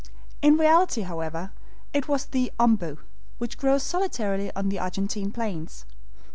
In reality, however, it was the OMBU, which grows solitarily on the Argentine plains.